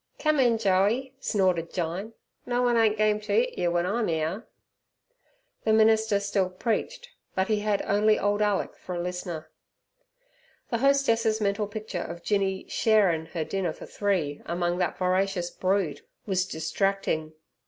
"Come in, Joey," snorted Jyne. "No one ain't game ter 'it yer w'en I'm 'ere." The minister still preached, but he had only old Alick for a listener. The hostess's mental picture of Jinny "sharin'" her dinner for three among that voracious brood was distracting.